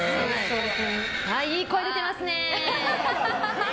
いい声出てますね。